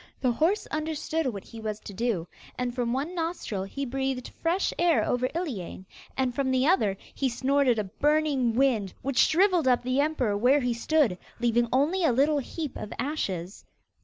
The horse understood what he was to do, and from one nostril he breathed fresh air over Iliane, and from the other, he snorted a burning wind which shrivelled up the emperor where he stood, leaving only a little heap of ashes.